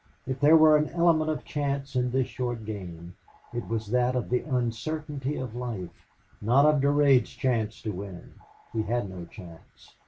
If there were an element of chance in this short game it was that of the uncertainty of life, not of Durade's chance to win. He had no chance.